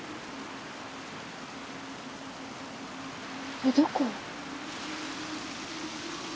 えっどこ？